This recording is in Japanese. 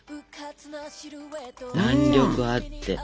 弾力あって。